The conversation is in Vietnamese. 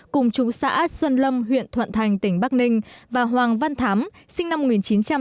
cùng chú xã xuân lâm huyện thuận thành tỉnh bắc ninh và hoàng văn thám sinh năm một nghìn chín trăm tám mươi